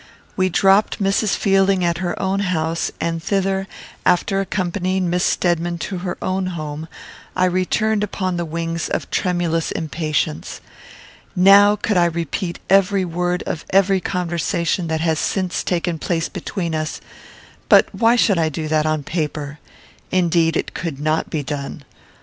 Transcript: We dropped Mrs. Fielding at her own house, and thither, after accompanying Miss Stedman to her own home, I returned upon the wings of tremulous impatience. Now could I repeat every word of every conversation that has since taken place between us; but why should I do that on paper? Indeed, it could not be done.